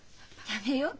やめよう。